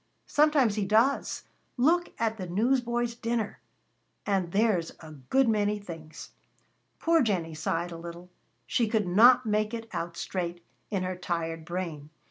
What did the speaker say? "Sometimes He does. Look at the newsboys' dinner! And there's a good many things." Poor Jennie sighed a little. She could not make it out straight in her tired brain.